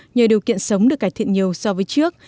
nhờ điều kiện sống được cải thiện nhiều so với trước